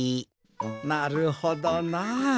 なるほどなあ。